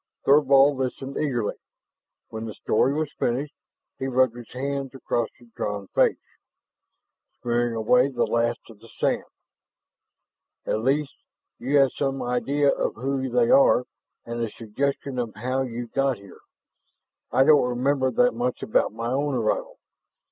Thorvald listened eagerly. When the story was finished, he rubbed his hands across his drawn face, smearing away the last of the sand. "At least you have some idea of who they are and a suggestion of how you got here. I don't remember that much about my own arrival.